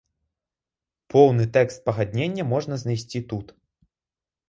Поўны тэкст пагаднення можна знайсці тут.